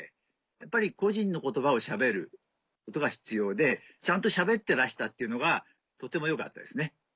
やっぱり個人の言葉をしゃべることが必要でちゃんとしゃべってらしたっていうのがとてもよかったですね。